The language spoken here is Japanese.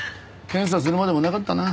検査するまでもなかったな。